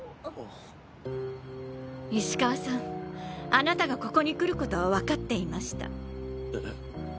石川さんあなたがここに来ることはわかっていましたえ？